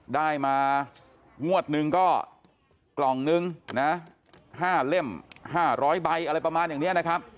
ได้มางวดหนึ่งก็กล่องนึงนะ๕เล่ม๕๐๐ใบอะไรประมาณอย่างนี้นะครับ